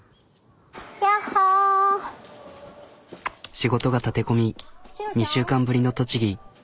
仕事が立て込み２週間ぶりの栃木。